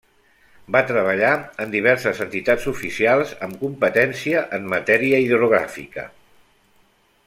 Va treballar en diverses entitats oficials amb competència en matèria hidrogràfica.